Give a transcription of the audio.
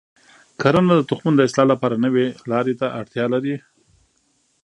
کرنه د تخمونو د اصلاح لپاره نوي لارې ته اړتیا لري.